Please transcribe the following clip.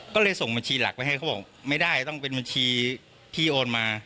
ก็เลยส่งบัญชีหลักไปให้เขาบอกไม่ได้ต้องเป็นบัญชีพี่โอนมา